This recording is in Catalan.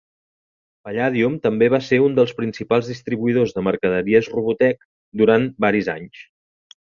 Palladium també va ser un dels principals distribuïdors de mercaderies "Robotech" durant varis anys.